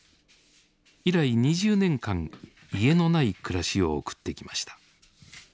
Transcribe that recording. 以来２０年間家のない暮らしを送ってきました。